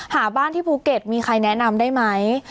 หาบ้านที่ภูเก็ตมีใครแนะนำได้ไหม